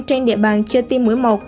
trên địa bàn chưa tiêm mũi một